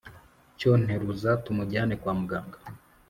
cyo nteruza tumujyane kwa muganga!